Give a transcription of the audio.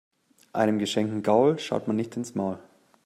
Einem geschenkten Gaul schaut man nicht ins Maul.